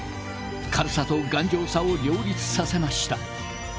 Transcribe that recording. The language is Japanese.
軽さと頑丈さを両立させました。